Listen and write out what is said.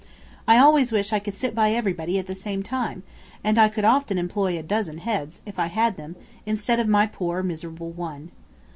I always wish I could sit by everybody at the same time, and I could often employ a dozen heads, if I had them, instead of my poor, miserable one.